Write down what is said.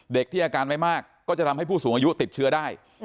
เด็กที่อาการไม่มากก็จะทำให้ผู้สูงอายุติดเชื้อได้